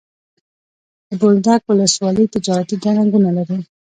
د بولدک ولسوالي تجارتي ګڼه ګوڼه لري.